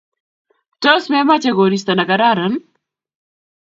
Tos, memache koristo negararan?